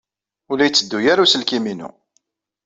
Ur la yetteddu ara uselkim-inu.